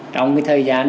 trong cái thời gian